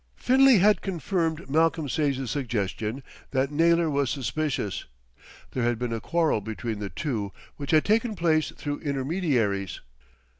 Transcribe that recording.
Finlay had confirmed Malcolm Sage's suggestion that Naylor was suspicious. There had been a quarrel between the two, which had taken place through intermediaries.